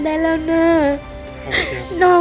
ที่ครูช่วยหนูมาตลอด